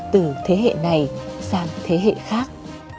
từ thế hệ này sang thế hệ khác